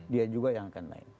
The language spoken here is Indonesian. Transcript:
dia juga yang akan lain